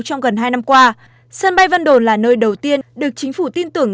trong gần hai năm qua sân bay vân đồn là nơi đầu tiên được chính phủ tin tưởng